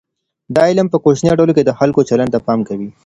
دا علم په کوچنیو ډلو کې د خلګو چلند ته پام کوي.